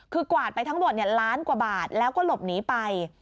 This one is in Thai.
คือกวาดไปทั้งหมดล้านกว่าบาทแล้วก็หลบหนีไป